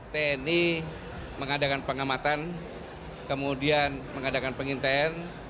tni mengadakan pengamatan kemudian mengadakan pengintaian